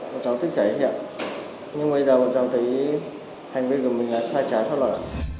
bọn cháu thích chạy thì ạ nhưng bây giờ bọn cháu thấy hành vi của mình là sai trái khá là lạ